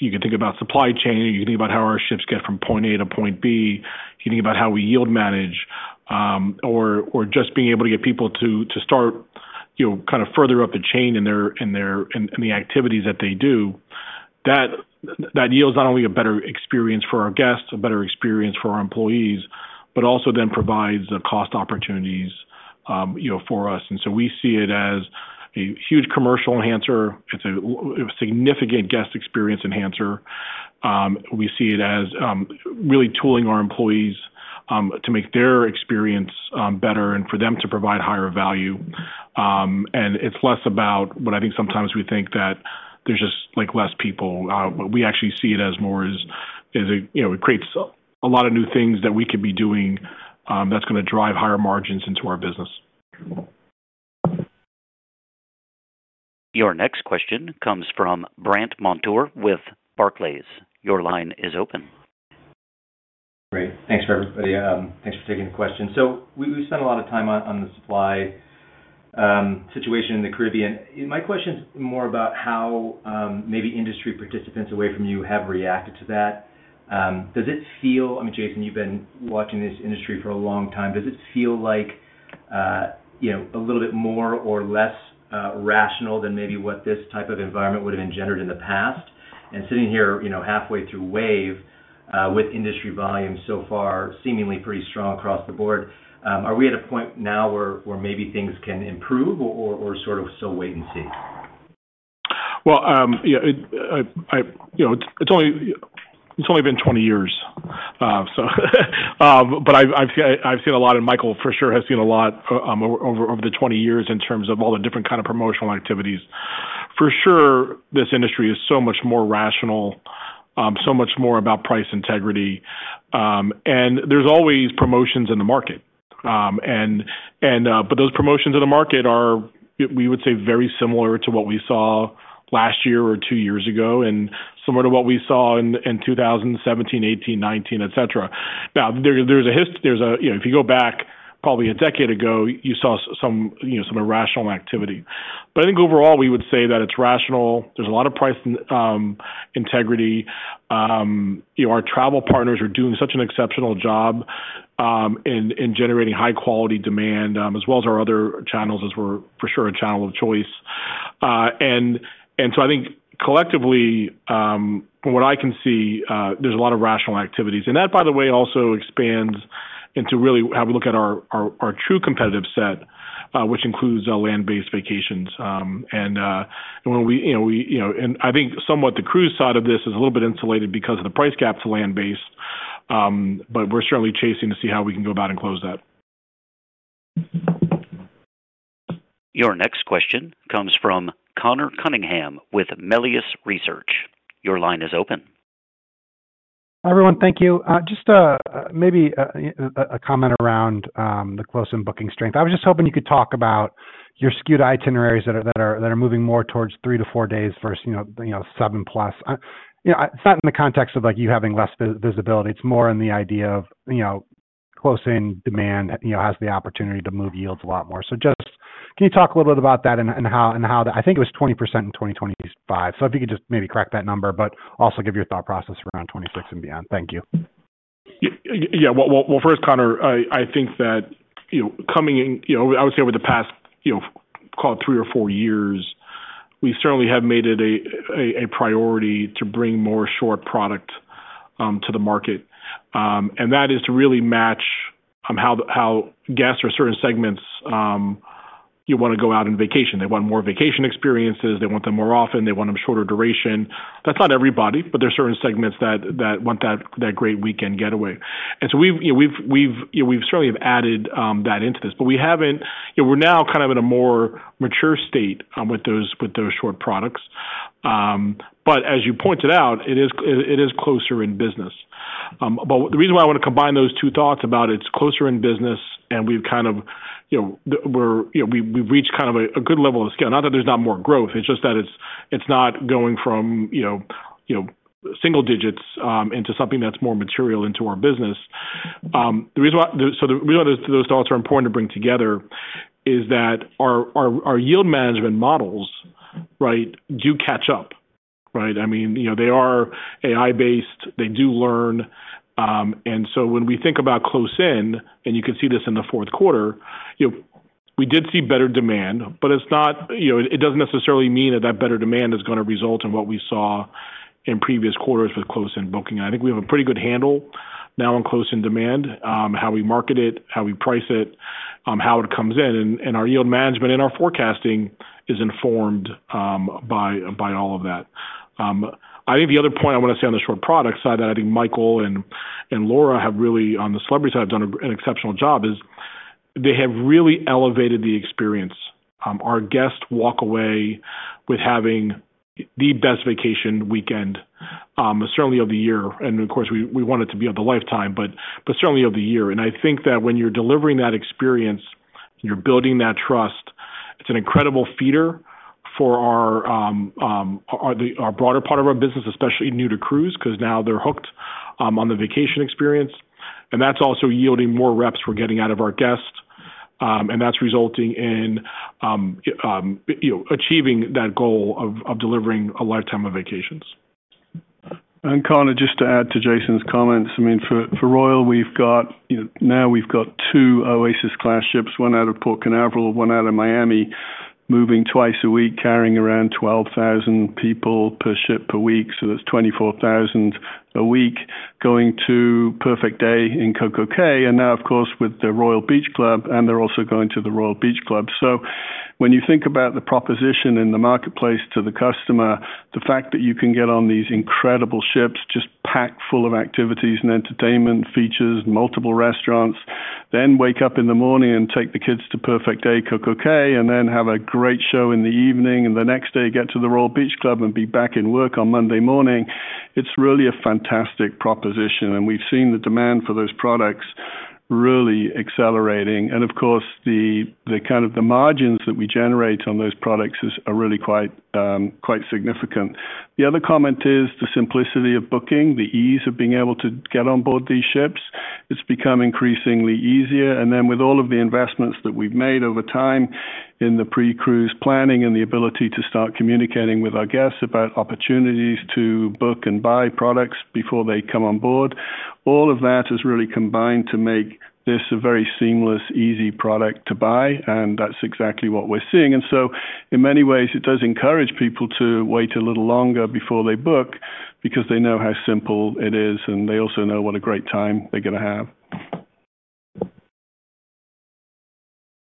you can think about supply chain, you can think about how our ships get from point A to point B, you can think about how we yield manage, or just being able to get people to start kind of further up the chain in the activities that they do, that yields not only a better experience for our guests, a better experience for our employees, but also then provides the cost opportunities for us. And so we see it as a huge commercial enhancer. It's a significant guest experience enhancer. We see it as really tooling our employees to make their experience better and for them to provide higher value. And it's less about what I think sometimes we think that there's just less people. We actually see it as more as it creates a lot of new things that we could be doing that's going to drive higher margins into our business. Your next question comes from Brandt Montour with Barclays. Your line is open. Great. Thanks, everybody. Thanks for taking the question. So we spent a lot of time on the supply situation in the Caribbean. My question is more about how maybe industry participants away from you have reacted to that. Does it feel, I mean, Jason, you've been watching this industry for a long time. Does it feel like a little bit more or less rational than maybe what this type of environment would have engendered in the past? Sitting here halfway through Wave with industry volume so far seemingly pretty strong across the board, are we at a point now where maybe things can improve or sort of still wait and see? Well, yeah, it's only been 20 years, but I've seen a lot, and Michael for sure has seen a lot over the 20 years in terms of all the different kinds of promotional activities. For sure, this industry is so much more rational, so much more about price integrity. And there's always promotions in the market. But those promotions in the market are, we would say, very similar to what we saw last year or two years ago and similar to what we saw in 2017, 2018, 2019, etc. Now, there's a history if you go back probably a decade ago, you saw some irrational activity. But I think overall, we would say that it's rational. There's a lot of price integrity. Our travel partners are doing such an exceptional job in generating high-quality demand, as well as our other channels, as we're for sure a channel of choice. And so I think collectively, from what I can see, there's a lot of rational activities. And that, by the way, also expands into really how we look at our true competitive set, which includes land-based vacations. And when we and I think somewhat the cruise side of this is a little bit insulated because of the price gap to land-based, but we're certainly chasing to see how we can go about and close that. Your next question comes from Conor Cunningham with Melius Research. Your line is open. Hi, everyone. Thank you. Just maybe a comment around the close-in booking strength. I was just hoping you could talk about your skewed itineraries that are moving more towards three to four days versus seven plus. It's not in the context of you having less visibility. It's more in the idea of close-in demand has the opportunity to move yields a lot more. So just can you talk a little bit about that and how I think it was 20% in 2025? So if you could just maybe correct that number, but also give your thought process around 2026 and beyond. Thank you. Yeah. Well, first, Conor, I think that coming in, I would say over the past, call it 3 or 4 years, we certainly have made it a priority to bring more short product to the market. And that is to really match how guests or certain segments want to go out on vacation. They want more vacation experiences. They want them more often. They want them shorter duration. That's not everybody, but there are certain segments that want that great weekend getaway. And so we've certainly added that into this, but we haven't, we're now kind of in a more mature state with those short products. But as you pointed out, it is closer in business. But the reason why I want to combine those two thoughts about it's closer in business, and we've kind of reached kind of a good level of scale. Not that there's not more growth. It's just that it's not going from single digits into something that's more material into our business. The reason why those thoughts are important to bring together is that our yield management models, right, do catch up, right? I mean, they are AI-based. They do learn. So when we think about close-in, and you can see this in the fourth quarter, we did see better demand, but it doesn't necessarily mean that that better demand is going to result in what we saw in previous quarters with close-in booking. I think we have a pretty good handle now on close-in demand, how we market it, how we price it, how it comes in. And our yield management and our forecasting is informed by all of that. I think the other point I want to say on the short product side that I think Michael and Laura have really on the celebrity side have done an exceptional job is they have really elevated the experience. Our guests walk away with having the best vacation weekend, certainly of the year. And of course, we want it to be of the lifetime, but certainly of the year. I think that when you're delivering that experience, you're building that trust. It's an incredible feeder for our broader part of our business, especially new-to-cruise because now they're hooked on the vacation experience. And that's also yielding more reps we're getting out of our guests. And that's resulting in achieving that goal of delivering a lifetime of vacations. And Conor, just to add to Jason's comments, I mean, for Royal, now we've got two Oasis Class ships, one out of Port Canaveral, one out of Miami, moving twice a week, carrying around 12,000 people per ship per week. So that's 24,000 a week going to Perfect Day in CocoCay. And now, of course, with the Royal Beach Club, and they're also going to the Royal Beach Club. So when you think about the proposition in the marketplace to the customer, the fact that you can get on these incredible ships, just packed full of activities and entertainment features, multiple restaurants, then wake up in the morning and take the kids to Perfect Day at CocoCay, and then have a great show in the evening, and the next day get to the Royal Beach Club and be back in work on Monday morning, it's really a fantastic proposition. And we've seen the demand for those products really accelerating. And of course, the kind of the margins that we generate on those products are really quite significant. The other comment is the simplicity of booking, the ease of being able to get on board these ships. It's become increasingly easier. And then with all of the investments that we've made over time in the pre-cruise planning and the ability to start communicating with our guests about opportunities to book and buy products before they come on board, all of that has really combined to make this a very seamless, easy product to buy. And that's exactly what we're seeing. And so in many ways, it does encourage people to wait a little longer before they book because they know how simple it is, and they also know what a great time they're going to have.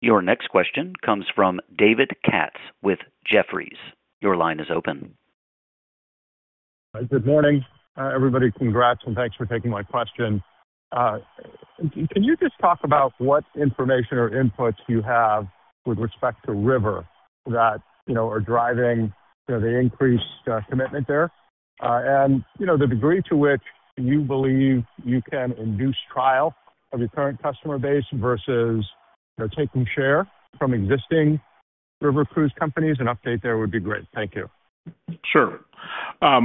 Your next question comes from David Katz with Jefferies. Your line is open. Good morning, everybody. Congrats and thanks for taking my question. Can you just talk about what information or inputs you have with respect to River that are driving the increased commitment there? The degree to which you believe you can induce trial of your current customer base versus taking share from existing river cruise companies? An update there would be great. Thank you. Sure. Well,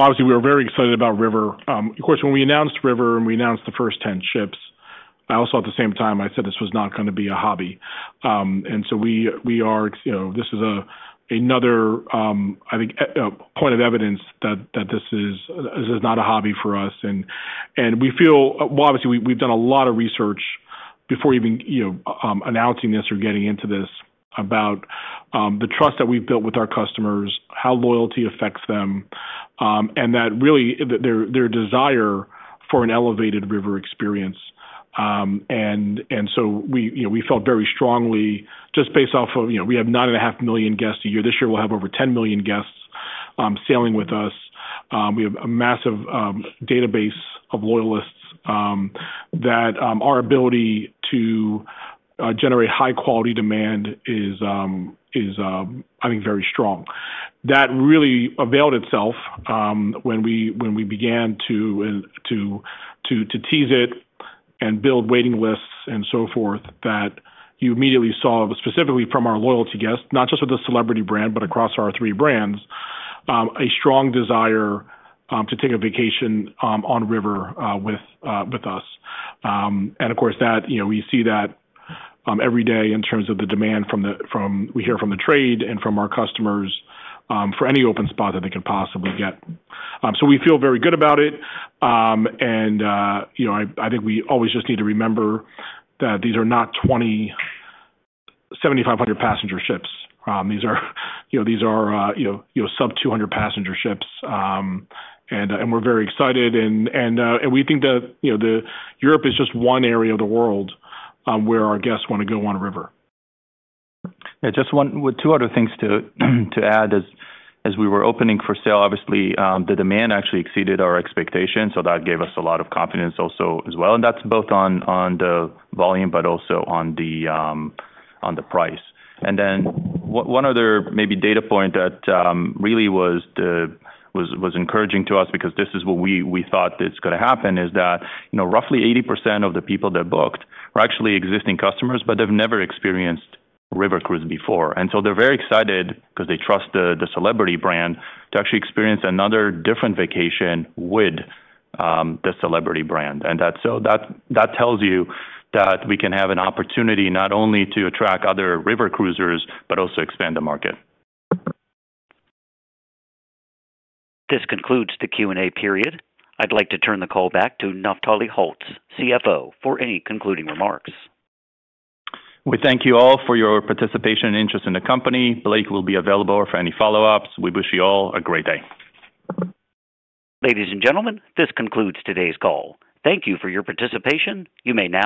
obviously, we were very excited about River. Of course, when we announced River and we announced the first 10 ships, I also at the same time, I said this was not going to be a hobby. And so we are this is another, I think, point of evidence that this is not a hobby for us. And we feel, well, obviously, we've done a lot of research before even announcing this or getting into this about the trust that we've built with our customers, how loyalty affects them, and that really their desire for an elevated river experience. So we felt very strongly just based off of we have 9.5 million guests a year. This year, we'll have over 10 million guests sailing with us. We have a massive database of loyalists that our ability to generate high-quality demand is, I think, very strong. That really availed itself when we began to tease it and build waiting lists and so forth that you immediately saw specifically from our loyalty guests, not just with the Celebrity brand, but across our three brands, a strong desire to take a vacation on River with us. And of course, we see that every day in terms of the demand from we hear from the trade and from our customers for any open spot that they can possibly get. So we feel very good about it. I think we always just need to remember that these are not twenty 7,500 passenger ships. These are sub-200 passenger ships. We're very excited. We think that Europe is just one area of the world where our guests want to go on river. Just two other things to add as we were opening for sale. Obviously, the demand actually exceeded our expectations. So that gave us a lot of confidence also as well. That's both on the volume, but also on the price. Then one other maybe data point that really was encouraging to us because this is what we thought that's going to happen is that roughly 80% of the people that booked are actually existing customers, but they've never experienced River Cruise before. So they're very excited because they trust the Celebrity brand to actually experience another different vacation with the Celebrity brand. That tells you that we can have an opportunity not only to attract other river cruisers, but also expand the market. This concludes the Q&A period. I'd like to turn the call back to Naftali Holtz, CFO, for any concluding remarks. We thank you all for your participation and interest in the company. Blake will be available for any follow-ups. We wish you all a great day. Ladies and gentlemen, this concludes today's call. Thank you for your participation. You may now.